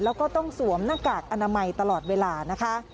แล้วก็ต้องสวมหน้ากากอนามัยตลอดเวลานะคะ